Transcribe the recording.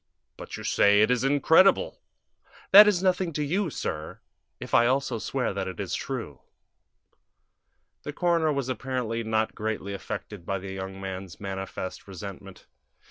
"But you say it is incredible." "That is nothing to you, sir, if I also swear that it is true." The coroner was apparently not greatly affected by the young man's manifest resentment.